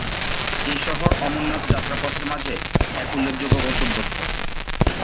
এই শহর অমরনাথ যাত্রা পথের মাঝে এক উল্লেখযোগ্য গন্তব্যস্থল।